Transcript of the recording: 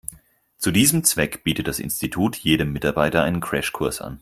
Zu diesem Zweck bietet das Institut jedem Mitarbeiter einen Crashkurs an.